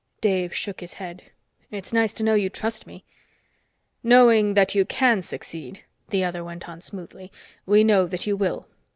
Dave shook his head. "It's nice to know you trust me!" "Knowing that you can succeed," the other went on smoothly, "we know that you will.